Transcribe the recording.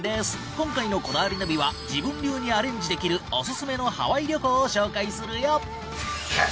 今回の『こだわりナビ』は自分流にアレンジできるおすすめのハワイ旅行を紹介するよ。